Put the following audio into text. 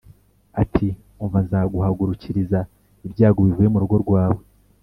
ati ‘Umva nzaguhagurukiriza ibyago bivuye mu rugo rwawe